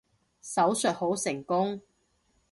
手術好成功